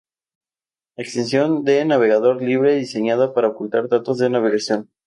extensión de navegador libre diseñada para ocultar datos de navegación